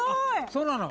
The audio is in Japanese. そうなの？